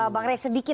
bang ray sedikit ya